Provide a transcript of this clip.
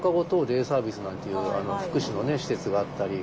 デイサービスなんていう福祉の施設があったり。